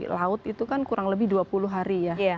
laut itu kan kurang lebih dua puluh hari ya